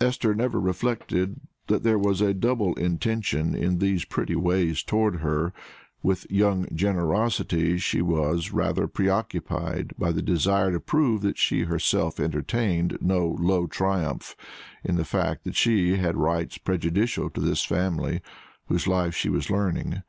Esther never reflected that there was a double intention in these pretty ways toward her; with young generosity, she was rather preoccupied by the desire to prove that she herself entertained no low triumph in the fact that she had rights prejudicial to this family whose life she was learning.